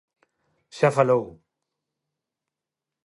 Xa falou.